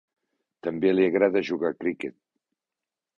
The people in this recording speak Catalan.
També li agrada jugar a criquet